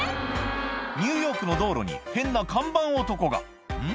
ニューヨークの道路に変な看板男がうん？